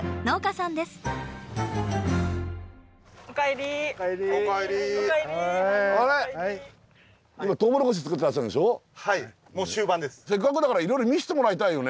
せっかくだからいろいろ見せてもらいたいよね。